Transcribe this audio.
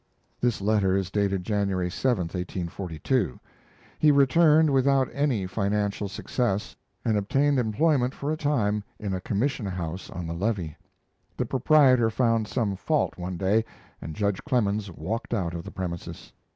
This letter is dated January 7, 1842. He returned without any financial success, and obtained employment for a time in a commission house on the levee. The proprietor found some fault one day, and Judge Clemens walked out of the premises.